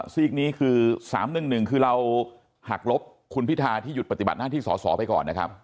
ซีกนี้คือ๓๑๑คือเราหักลบคุณพิธาที่หยุดปฏิบัติหน้าที่สอสอไปก่อนนะครับ